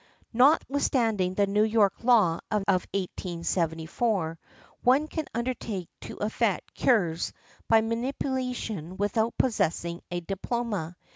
Notwithstanding the New York law of 1874, one can undertake to effect cures by manipulation without possessing a diploma.